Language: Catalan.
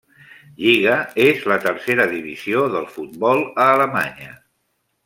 Lliga és la tercera divisió del futbol a Alemanya.